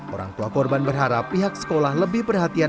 orang tua korban berharap pihak sekolah lebih perhatian